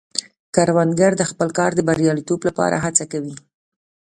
کروندګر د خپل کار د بریالیتوب لپاره هڅه کوي